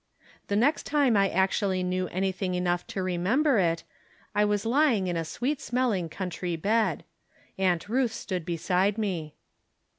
The next time I actually knew anything enough to remember it, I was lying in a sweet smelling country bed. Aunt Ruth stood beside me.